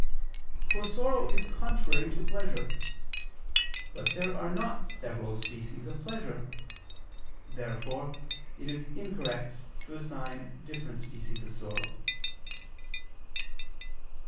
For sorrow is contrary to pleasure. But there are not several species of pleasure. Therefore it is incorrect to assign different species of sorrow.